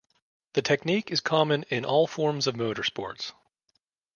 The technique is common in all forms of motorsports.